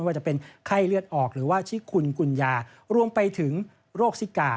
ไม่ว่าจะเป็นไข้เลือดออกจิกคุณกุญญารวมไปถึงโรคซิกา